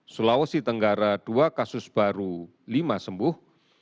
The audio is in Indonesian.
sulawesi tenggara dua kasus baru lima sembuh